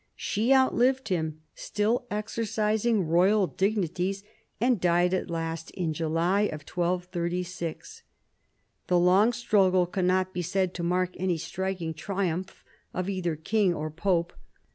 She outlived him, still exercising royal dignities, and died at last in July 1236. The long struggle cannot be said to mark any striking triumph of either king or pope.